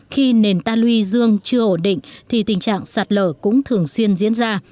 khi nền ta luy dương chưa ổn định thì tình trạng sạt lở cũng thường xuyên diễn ra